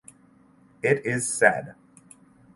It is said.